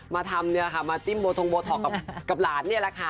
มาทำเนี่ยค่ะมาจิ้มโบทงโบท็อกกับหลานนี่แหละค่ะ